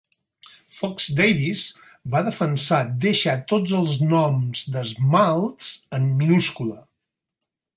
Fox-Davies va defensar deixar tots els noms d'esmalts en minúscula.